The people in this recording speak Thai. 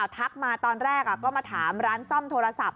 ทักมาตอนแรกก็มาถามร้านซ่อมโทรศัพท์